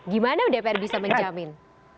gimana dpr bisa menjamin